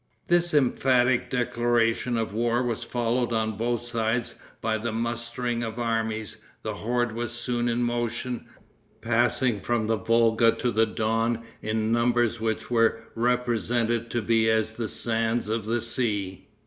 This emphatic declaration of war was followed on both sides by the mustering of armies. The horde was soon in motion, passing from the Volga to the Don in numbers which were represented to be as the sands of the sea.